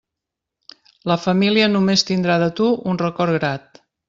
La família només tindrà de tu un record grat.